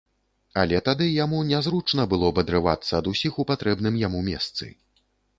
Але тады яму нязручна было б адрывацца ад усіх у патрэбным яму месцы.